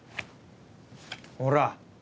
ほら。